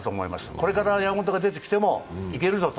これから山本が出てきてもいけるぞと。